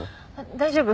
大丈夫。